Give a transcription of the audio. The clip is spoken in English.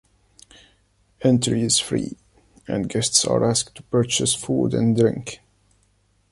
Entry is free and guests are asked to purchase food and drink.